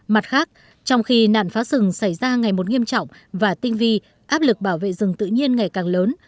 mặt khác trong khi nạn phá rừng xảy ra ngày một nghiêm trọng và tinh vi áp lực bảo vệ rừng tự nhiên ngày càng lớn